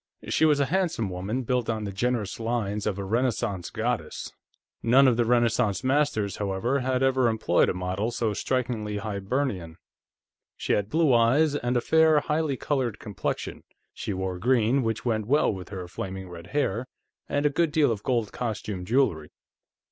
She was a handsome woman, built on the generous lines of a Renaissance goddess; none of the Renaissance masters, however, had ever employed a model so strikingly Hibernian. She had blue eyes, and a fair, highly colored complexion; she wore green, which went well with her flaming red hair, and a good deal of gold costume jewelry.